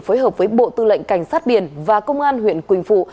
phối hợp với bộ tư lệnh cảnh sát biển và công an huyện quỳnh phụ